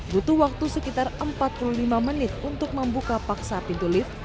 butuh waktu sekitar empat puluh lima menit untuk membuka paksa pintu lift